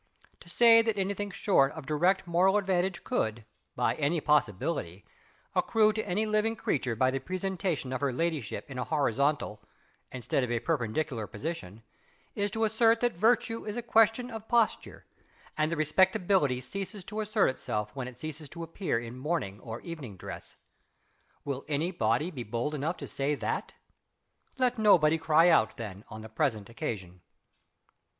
To say that any thing short of direct moral advantage could, by any possibility, accrue to any living creature by the presentation of her ladyship in a horizontal, instead of a perpendicular position, is to assert that Virtue is a question of posture, and that Respectability ceases to assert itself when it ceases to appear in morning or evening dress. Will any body be bold enough to say that? Let nobody cry out, then, on the present occasion.